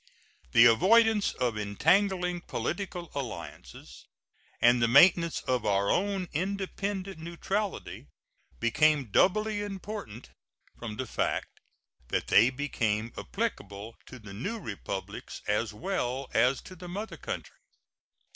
The avoidance of entangling political alliances and the maintenance of our own independent neutrality became doubly important from the fact that they became applicable to the new Republics as well as to the mother country.